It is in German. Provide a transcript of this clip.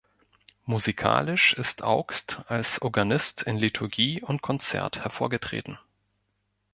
Musikalisch ist Augst als Organist in Liturgie und Konzert hervorgetreten.